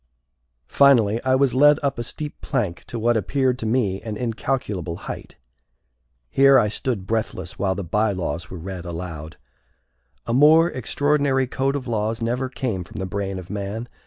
Finally, I was led up a steep plank to what appeared to me an incalculable height. Here I stood breathless while the bylaws were read aloud. A more extraordinary code of laws never came from the brain of man.